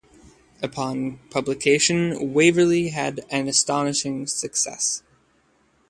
Upon publication, "Waverley" had an astonishing success.